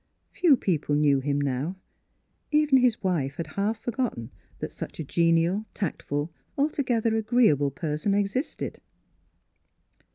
Few people knew him now; even his wife had half forgotten that such a genial, tact ful, altogether agreeable person existed.